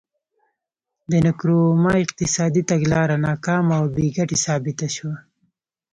د نکرومه اقتصادي تګلاره ناکامه او بې ګټې ثابته شوه.